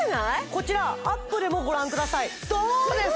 こちらアップでもご覧くださいどうですか？